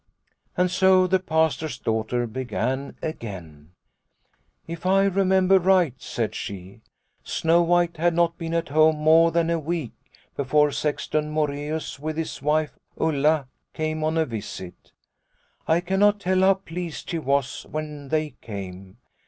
And so the Pastor's daughter began again. " If I remember right," said she, " Snow White had not been at home more than a week before Sexton Moreus with his wife Ulla came on a visit. I cannot tell how pleased she was when they came.